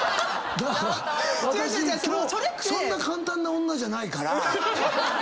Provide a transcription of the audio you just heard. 「私そんな簡単な女じゃないから」